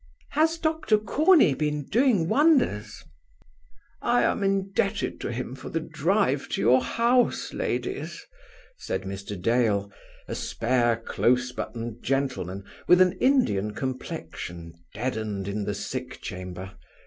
"Has Doctor Corney been doing wonders?" "I am indebted to him for the drive to your house, ladies," said Mr. Dale, a spare, close buttoned gentleman, with an Indian complexion deadened in the sick chamber.